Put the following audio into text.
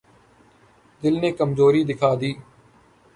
دل نے کمزوری دکھا دی۔